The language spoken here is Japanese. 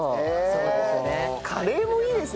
そうですね。